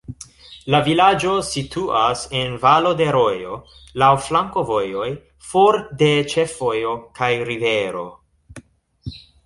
La vilaĝo situas en valo de rojo, laŭ flankovojoj, for de ĉefvojo kaj rivero.